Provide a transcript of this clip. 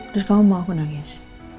terus kamu mau aku nangis